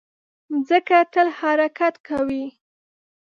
مځکه تل حرکت کوي.